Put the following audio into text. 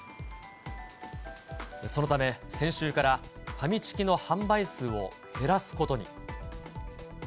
そのため、先週からファミチキの販売数を減らすことに。